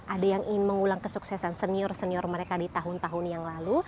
ada yang ingin mengulang kesuksesan senior senior mereka di tahun tahun yang lalu